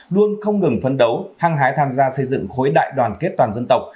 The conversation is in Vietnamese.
luôn không ngừng phấn đấu hăng hái tham gia xây dựng khối đại đoàn kết toàn dân tộc